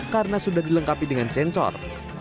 karena sudah dilengkapi dengan sensor